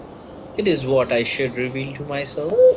It is what I should revel in myself.